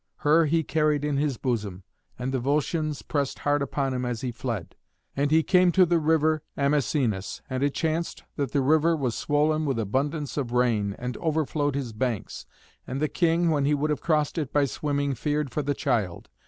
Her he carried in his bosom, and the Volscians pressed hard upon him as he fled. And he came to the river Amasenus, and it chanced that the river was swollen with abundance of rain, and overflowed his banks. And the king, when he would have crossed it by swimming, feared for the child.